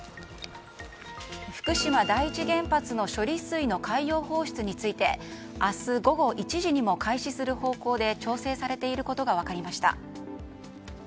福島第一原発の処理水の海洋放出について明日午後１時にも開始する方向で調整されていることが分かりました。